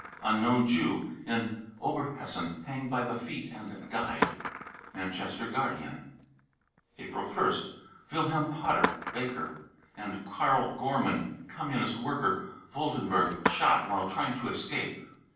unknown jew, in Oberhessen, hanged by the feet, and died. {Manchester Guardian .)« April 1st. wilhelm potter, baker, and karl gormann, Com munist worker, Woldenberg, shot " while trying to escape."